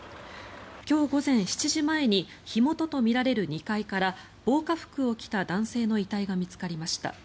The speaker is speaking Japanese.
今日午前７時前に火元とみられる２階から防火服を着た男性の遺体が見つかりました。